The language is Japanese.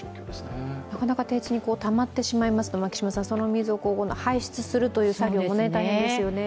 なかなか低地にたまってしまいますと、その水を排出するという作業も大変ですよね。